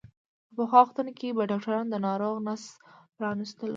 په پخوا وختونو کې به ډاکترانو د ناروغ نس پرانستلو.